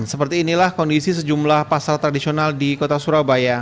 seperti inilah kondisi sejumlah pasar tradisional di kota surabaya